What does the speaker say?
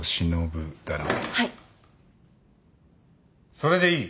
それでいい。